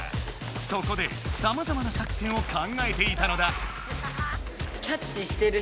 そこでさまざまな作戦を考えていたのだ。